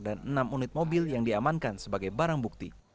dan enam unit mobil yang diamankan sebagai barang bukti